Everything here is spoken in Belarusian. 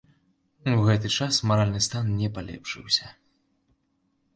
У гэты час маральны стан не палепшыўся.